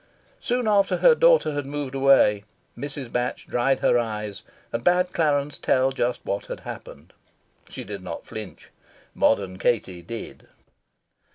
Soon after her daughter had moved away, Mrs. Batch dried her eyes, and bade Clarence tell just what had happened. She did not flinch. Modern Katie did.